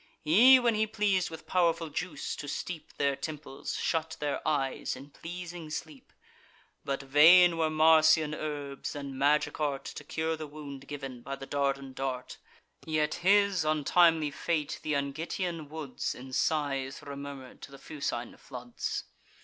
He, when he pleas'd with powerful juice to steep Their temples, shut their eyes in pleasing sleep. But vain were Marsian herbs, and magic art, To cure the wound giv'n by the Dardan dart: Yet his untimely fate th' Angitian woods In sighs remurmur'd to the Fucine floods.